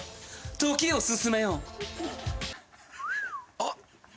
「あっ！